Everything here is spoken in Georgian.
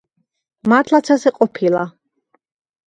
მართლაც ასე ყოფილა.